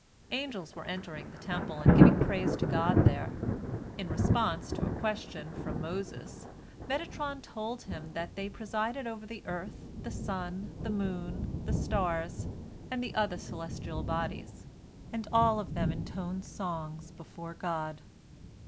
Angels were entering the Temple and giving praise to God there. In response to a question from Moses Metatron told him that they presided over the earth, the sun, the moon, the stars, and the other celestial bodies. and all of them intone songs before God.